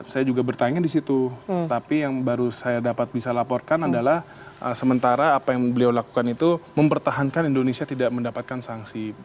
saya juga bertanya di situ tapi yang baru saya dapat bisa laporkan adalah sementara apa yang beliau lakukan itu mempertahankan indonesia tidak mendapatkan sanksi